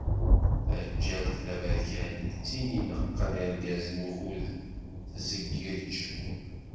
Taǧǧalt taberkant d tin ineqqen irgazen ukud tzeggej.